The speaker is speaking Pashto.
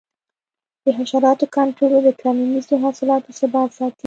د حشراتو کنټرول د کرنیزو حاصلاتو ثبات ساتي.